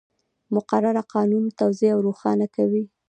مقرره قانون توضیح او روښانه کوي.